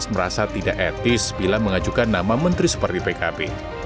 merasa tidak etis bila mengajukan nama menteri seperti pkb